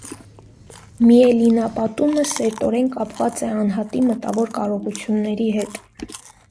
Միելինապատումը սերտորեն կապված է անհատի մտավոև կարողությունների հետ։